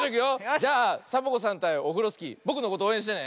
じゃあサボ子さんたいオフロスキーぼくのことおうえんしてね！